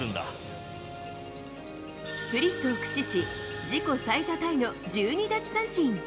スプリットを駆使し、自己最多タイの１２奪三振。